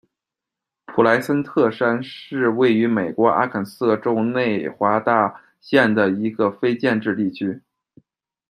普莱森特山是位于美国阿肯色州内华达县的一个非建制地区。